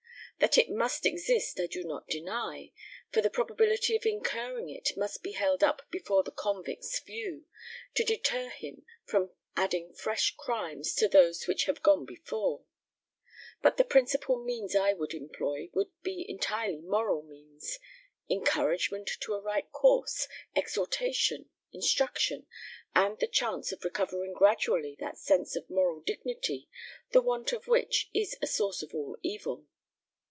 That it must exist I do not deny, for the probability of incurring it must be held up before the convict's view, to deter him from adding fresh crimes to those which have gone before; but the principal means I would employ would be entirely moral means: encouragement to a right course, exhortation, instruction, and the chance of recovering gradually that sense of moral dignity, the want of which is a source of all evil."